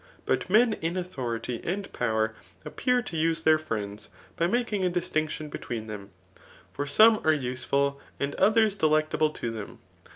But men in authority and power, appear to use their friends by making a distinction betweai them ; for some are useful^ and others delectable to them.